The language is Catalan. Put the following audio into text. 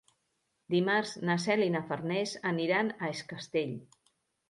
Dimarts na Cel i na Farners aniran a Es Castell.